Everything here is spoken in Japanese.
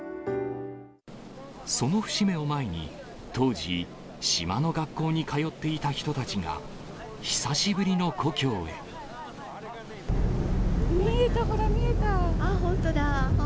その節目を前に、当時、島の学校に通っていた人たちが、久しぶり見えた、本当だ。